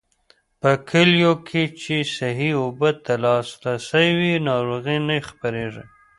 په کليو کې چې صحي اوبو ته لاسرسی وي، ناروغۍ نه خپرېږي.